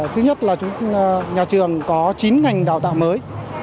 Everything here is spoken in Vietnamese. thứ nhất là nhà trường có chín ngành đào tạo mới